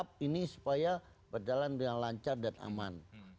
membackup ini supaya berjalan dengan lancar dan aman